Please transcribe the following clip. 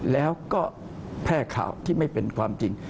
แล้วก็แพร่ข่าวที่ไม่เป็นความจริง